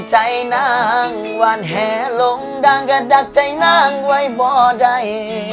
ใจน้างหวานแหลงลงดังกระดักใจน้างไว้บ่ได้